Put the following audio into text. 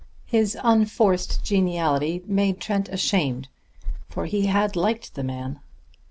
His unforced geniality made Trent ashamed, for he had liked the man.